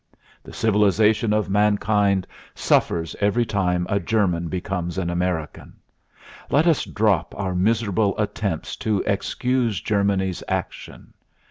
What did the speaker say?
"The civilization of mankind suffers every time a German becomes an American. Let us drop our miserable attempts to excuse Germany's action.